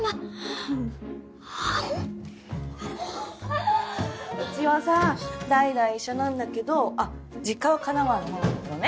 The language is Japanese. うんうちはさ代々医者なんだけどあっ実家は神奈川のほうなんだけどね